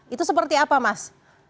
itu seperti apa mas